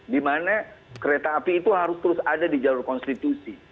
dimana kereta api itu harus terus ada di jalur konstitusi